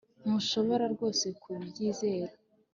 Ntushobora rwose kubyizera